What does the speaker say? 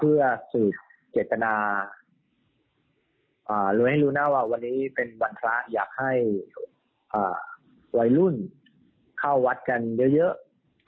เพื่อสืบเจตนารู้ให้รู้หน้าว่าวันนี้เป็นวันพระอยากให้วัยรุ่นเข้าวัดกันเยอะ